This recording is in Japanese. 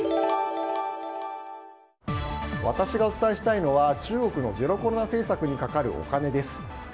私がお伝えしたいのは中国のゼロコロナ政策にかかるお金です。